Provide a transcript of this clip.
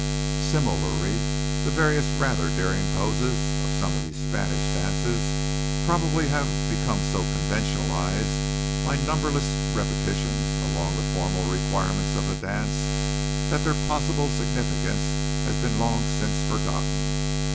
Similarity the various rather daring postures of some of these Spanish dances probably have become so conventionalized by numberless repetitions along the formal requirements of the dance that their possible significance has been long since forgotten.